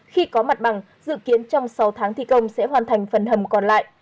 khi có mặt bằng dự kiến trong sáu tháng thi công sẽ hoàn thành phần hầm còn lại